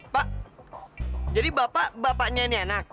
pak jadi bapak bapaknya ini anak